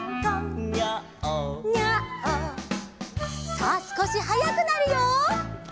」さあすこしはやくなるよ。